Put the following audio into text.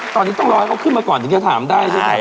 ตอนนี้ต้องรอให้เขาขึ้นมาก่อนถึงจะถามได้ใช่ไหม